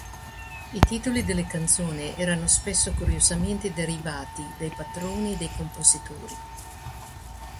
I titoli delle canzone erano spesso curiosamente derivati dai patroni dei compositori.